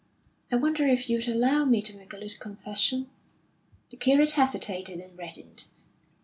I wonder if you'd allow me to make a little confession?" The curate hesitated and reddened.